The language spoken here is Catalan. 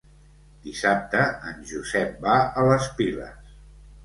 Dissabte en Josep va a les Piles.